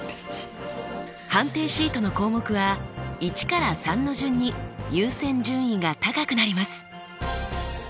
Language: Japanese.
判定シートの項目は１から３の順に優先順位が高くなります。